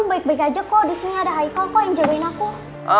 baik baik aja kok disini ada haikal kok yang jagain aku